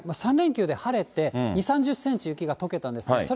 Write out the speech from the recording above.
３連休で晴れて、２０、３０センチ雪がとけたんですね。